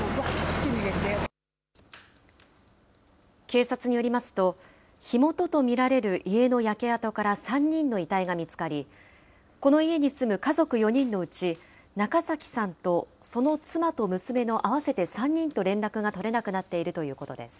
警察によりますと、火元と見られる家の焼け跡から３人の遺体が見つかり、この家に住む家族４人のうち、中崎さんとその妻と娘の合わせて３人と連絡が取れなくなっているということです。